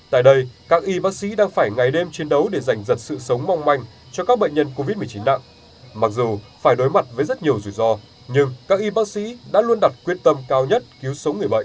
tại đây các y bác sĩ đang phải ngày đêm chiến đấu để giành giật sự sống mong manh cho các bệnh nhân covid một mươi chín nặng mặc dù phải đối mặt với rất nhiều rủi ro nhưng các y bác sĩ đã luôn đặt quyết tâm cao nhất cứu sống người bệnh